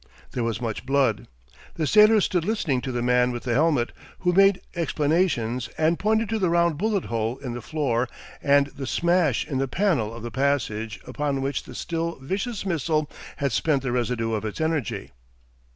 There was much blood. The sailors stood listening to the man with the helmet, who made explanations and pointed to the round bullet hole in the floor and the smash in the panel of the passage upon which the still vicious missile had spent the residue of its energy.